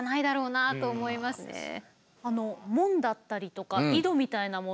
門だったりとか井戸みたいなものも。